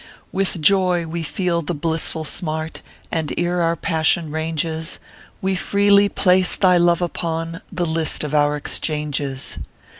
With joy we feel the blissful smart, And ere our passion ranges, We freely place thy love upon The list of our exchanges.